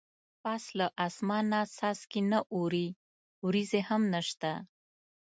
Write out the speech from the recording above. پاس له اسمان نه څاڅکي نه اوري ورېځې هم نشته.